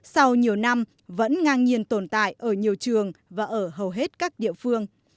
sau nhiều năm vẫn ngang nhiên tồn tại ở nhiều trường và ở hầu hết các địa phương